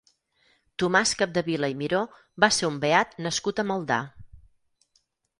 Tomàs Capdevila i Miró va ser un beat nascut a Maldà.